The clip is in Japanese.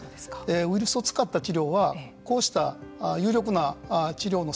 ウイルスを使った治療はこうした有力な治療の